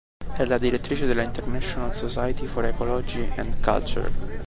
È la direttrice della "International Society for Ecology and Culture".